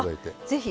ぜひ。